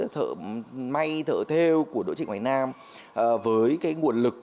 thợ may thợ theo của đỗ trịnh hoài nam với cái nguồn lực